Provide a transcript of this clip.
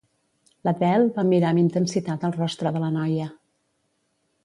L'Adele va mirar amb intensitat el rostre de la noia.